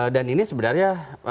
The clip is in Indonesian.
dan ini sebenarnya